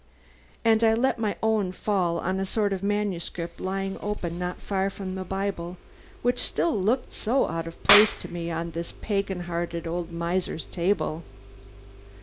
And I let my own fall on a sort of manuscript lying open not far from the Bible, which still looked so out of place to me on this pagan hearted old miser's table.